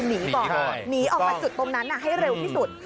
หนีออกไปจุดตรงนั้นให้เร็วที่สุด